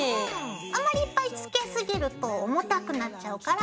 あまりいっぱいつけすぎると重たくなっちゃうから。